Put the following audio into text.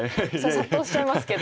殺到しちゃいますけど。